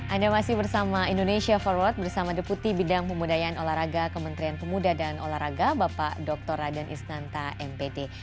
anda masih bersama indonesia forward bersama deputi bidang pemudayaan olahraga kementerian pemuda dan olahraga bapak dr raden istanta mpd